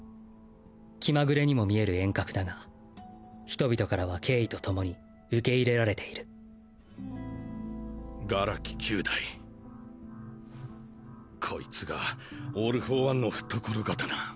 気まぐれにも見える沿革だが人々からは敬意と共に受け入れられている殻木球大こいつがオール・フォー・ワンの懐刀。